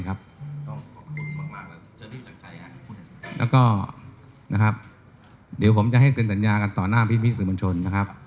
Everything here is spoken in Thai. เรียนพี่บุญธวรบรรชนครับ